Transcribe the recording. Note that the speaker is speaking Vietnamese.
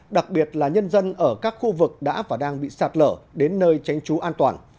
đặc biệt là nhân dân ở các khu vực đã và đang bị sạt lở đến nơi tránh trú an toàn